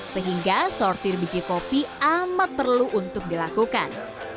sehingga sortir biji kopi amat perlu untuk dilakukan